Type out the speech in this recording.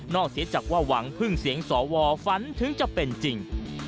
เสียจากว่าหวังพึ่งเสียงสวฝันถึงจะเป็นจริง